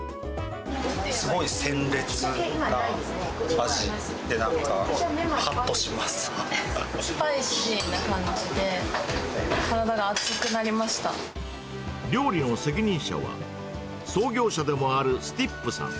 すごい鮮烈な味で、なんかはスパイシーな感じで、体が熱料理の責任者は、創業者でもあるスティップさん。